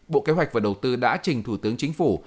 bộ kế hoạch và đầu tư đã trình thủ tướng chính phủ